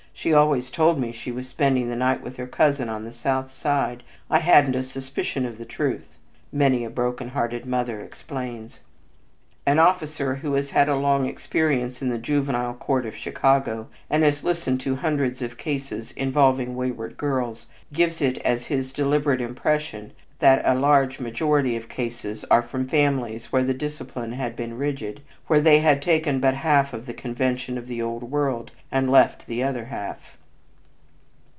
She always told me she was spending the night with her cousin on the South Side. I hadn't a suspicion of the truth," many a broken hearted mother explains. An officer who has had a long experience in the Juvenile Court of Chicago, and has listened to hundreds of cases involving wayward girls, gives it as his deliberate impression that a large majority of cases are from families where the discipline had been rigid, where they had taken but half of the convention of the Old World and left the other half.